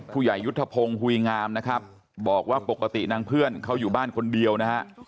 ยุทธพงศ์หุยงามนะครับบอกว่าปกตินางเพื่อนเขาอยู่บ้านคนเดียวนะฮะ